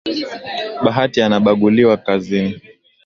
Bahati anabaguliwa kazini